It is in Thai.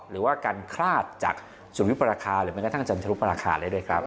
หรือว่าการคลาดจากสุริยุปราคาหรือแม้กระทั่งจันทรุปราคาได้ด้วยครับ